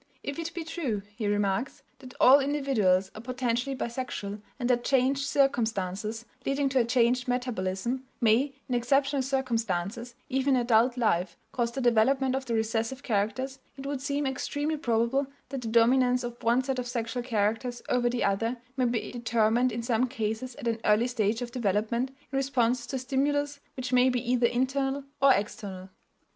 "If it be true," he remarks, "that all individuals are potentially bisexual and that changed circumstances, leading to a changed metabolism, may, in exceptional circumstances, even in adult life, cause the development of the recessive characters, it would seem extremely probable that the dominance of one set of sexual characters over the other may be determined in some cases at an early stage of development in response to a stimulus which may be either internal or external."